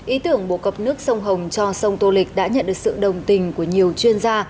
ý tưởng bổ cập nước sông hồng cho sông tô lịch đã nhận được sự đồng tình của nhiều chuyên gia